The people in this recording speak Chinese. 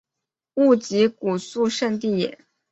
勿吉古肃慎地也。